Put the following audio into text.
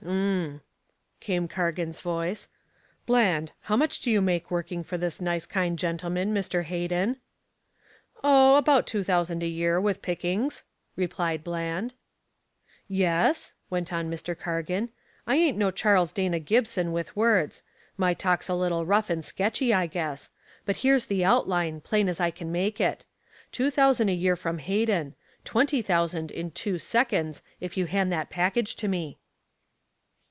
"Um m," came Cargan's voice. "Bland, how much do you make working for this nice kind gentleman, Mr. Hayden?" "Oh, about two thousand a year, with pickings," replied Bland. "Yes?" went on Mr. Cargan. "I ain't no Charles Dana Gibson with words. My talk's a little rough and sketchy, I guess. But here's the outline, plain as I can make it. Two thousand a year from Hayden. Twenty thousand in two seconds if you hand that package to me."